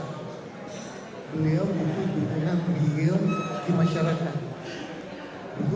beliau itu dikenal beliau di masyarakat